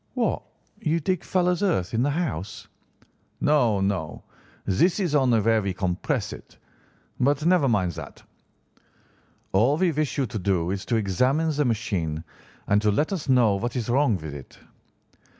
"'What, you dig fuller's earth in the house?' "'No, no. This is only where we compress it. But never mind that. All we wish you to do is to examine the machine and to let us know what is wrong with it.